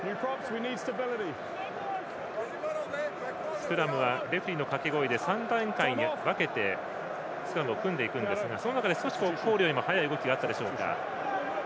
スクラムはレフリーの掛け声で３段階に分けてスクラムを組んでいくんですがその中で少しコールより速い動きがあったでしょうか。